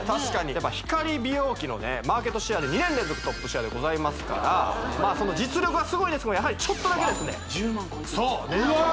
やっぱ光美容器のマーケットシェアで２年連続トップシェアでございますからまあその実力はすごいですけどもやはりちょっとだけですねわっ１０万超えてるそううわ